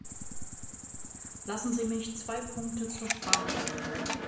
Lassen Sie mich zwei Punkte zur Sprache bringen.